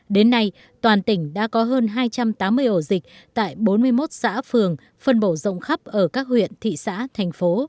đến nay toàn tỉnh đã có hơn hai trăm tám mươi ổ dịch tại bốn mươi một xã phường phân bổ rộng khắp ở các huyện thị xã thành phố